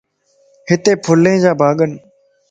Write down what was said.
ھتي ڦلين جا ڀاڳن